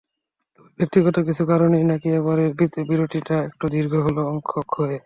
তবে ব্যক্তিগত কিছু কারণেই নাকি এবারের বিরতিটা একটু দীর্ঘ হলো অক্ষয়ের।